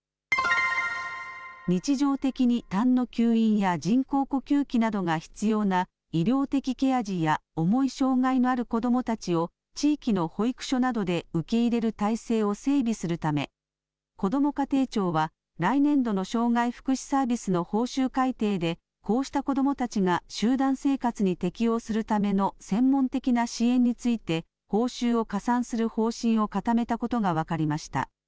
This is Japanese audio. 日常的にたんの吸引や人工呼吸器などが必要な医療的ケア児や重い障害のある子どもたちを地域の保育所などで受け入れる体制を整備するためこども家庭庁は来年度の障害福祉サービスの報酬改定でこうした子どもたちが集団生活に適応するための専門的な支援について報酬を加算する方針を固めたことが分かりました。